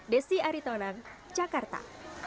desi aritonang jakarta